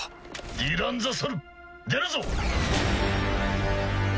ディランザ・ソル出るぞ。